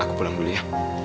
aku pulang dulu ya